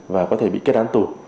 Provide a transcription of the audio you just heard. và có thể bị kết án tù